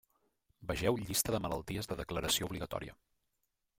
Vegeu llista de malalties de declaració obligatòria.